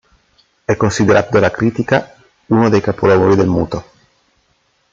È considerato dalla critica uno dei capolavori del muto.